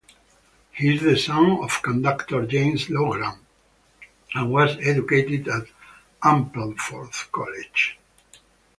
He is the son of conductor James Loughran and was educated at Ampleforth College.